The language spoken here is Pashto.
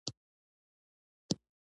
ترموز د غرمو لپاره چای ذخیره کوي.